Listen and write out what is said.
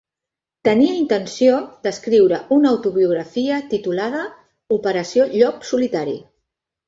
Tenia intenció d'escriure una autobiografia titulada Operació Llop Solitari.